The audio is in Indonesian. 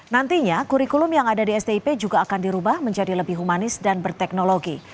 nantinya kurikulum yang ada di stip juga akan dirubah menjadi lebih humanis dan berteknologi